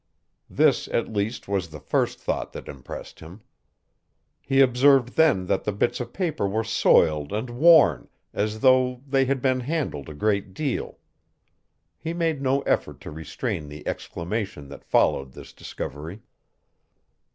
This, at least, was the first thought that impressed him. He observed then that the bits of paper were soiled and worn as though they had been handled a great deal. He made no effort to restrain the exclamation that followed this discovery.